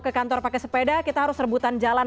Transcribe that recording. ke kantor pakai sepeda kita harus rebutan jalan